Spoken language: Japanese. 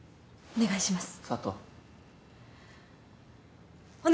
お願いします！